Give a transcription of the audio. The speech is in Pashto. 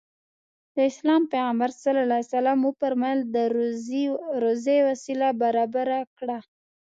د اسلام پيغمبر ص وفرمايل د روزي وسيله برابره کړه.